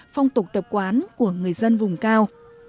phong tục tập quán của người dân vùng cao